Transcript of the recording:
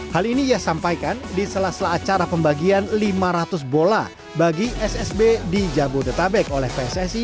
hal ini ia sampaikan di salah salah acara pembagian lima ratus bola bagi ssb di jabodetabek oleh pssi